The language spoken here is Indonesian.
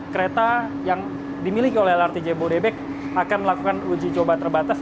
kereta yang dimiliki oleh lrt jabodebek akan melakukan uji coba terbatas